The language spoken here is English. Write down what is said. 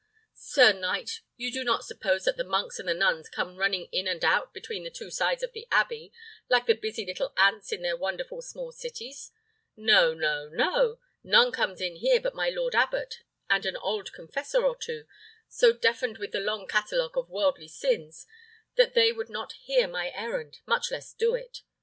sir knight, you do not suppose that the monks and the nuns come running in and out between the two sides of the abbey, like the busy little ants in their wonderful small cities? No, no, no! none comes in here but my lord abbot and an old confessor or two, so deafened with the long catalogue of worldly sins that they would not hear my errand, much less do it.